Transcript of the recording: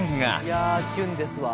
いやキュンですわ。